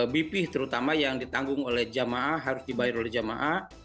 bpih terutama yang ditanggung oleh jemaah harus dibayar oleh jemaah